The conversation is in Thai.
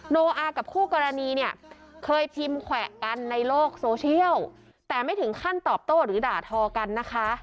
โน้อกับคู่กรณีเคยพิมพ์แขวะกันในโลกโซเชียลแต่ไม่ถึงขั้นตอบโต้หรือกาดธอกัน